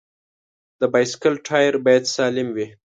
د بایسکل ټایر باید سالم وي.